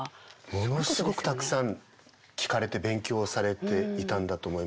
ものすごくたくさん聴かれて勉強されていたんだと思います。